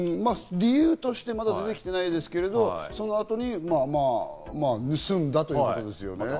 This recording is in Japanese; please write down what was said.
理由としてまだ出てきていないですけど、その後にまあ、盗んだということですね。